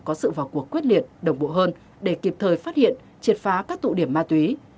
có sự vào cuộc quyết liệt đồng bộ hơn để kịp thời phát hiện triệt phá các tụ điểm ma túy